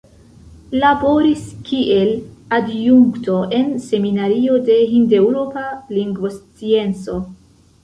Laboris kiel adjunkto en Seminario de Hindeŭropa Lingvoscienco.